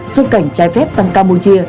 xuất cảnh trái phép sang campuchia